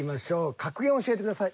格言を教えてください。